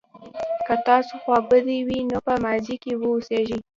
که تاسو خوابدي وئ نو په ماضي کې اوسیږئ.